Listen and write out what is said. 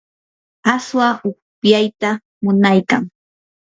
aswa upyaytam munaykan.